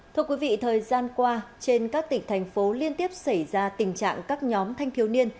thưa quý vị thời gian qua trên các tỉnh thành phố liên tiếp xảy ra tình trạng các nhóm thanh thiếu niên